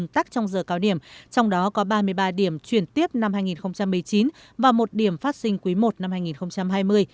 trong đó có ba mươi ba điểm chuyển tiếp năm hai nghìn một mươi chín và một điểm phát sinh quý i năm hai nghìn hai mươi